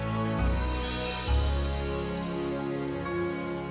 jangan makan bakso saja